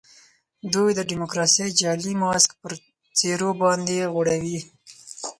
دوی د ډیموکراسۍ جعلي ماسک پر څېرو باندي غوړوي.